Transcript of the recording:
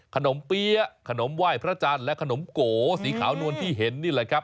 เปี๊ยะขนมไหว้พระจันทร์และขนมโกสีขาวนวลที่เห็นนี่แหละครับ